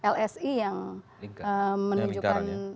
lsi yang menunjukkan